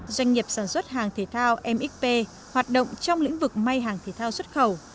doanh nghiệp sản xuất hàng thể thao mxp hoạt động trong lĩnh vực may hàng thể thao xuất khẩu